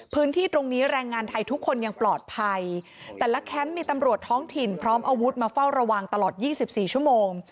พื้นที่ตรงนี้แรงงานไทยทุกคนยังปลอดภัยแต่ละแคมป์มีตำรวจท้องถิ่นพร้อมอาวุธมาเฝ้าระวังตลอด๒๔ชั่วโมง